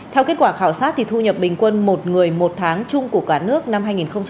theo kết quả khảo sát thu nhập bình quân một người một tháng trung của cả nước năm hai nghìn hai mươi